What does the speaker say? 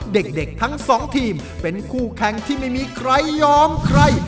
เด็กทั้งสองทีมเป็นคู่แข่งที่ไม่มีใครยอมใคร